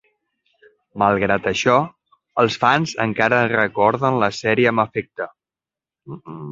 Malgrat això, els fans encara recorden la sèrie amb afecte.